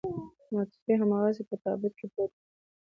متوفي هماغسې په تابوت کې پروت دی.